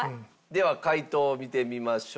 では解答を見てみましょう。